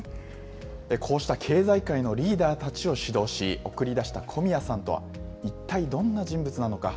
こうした経済界のリーダーたちを指導し、送り出した小宮さんとは一体どんな人物なのか。